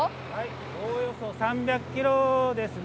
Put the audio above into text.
おおよそ３００キロですね。